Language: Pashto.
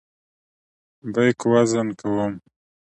بیک وزن کوم.